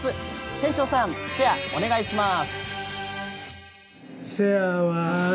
店長さん、シェアお願いします。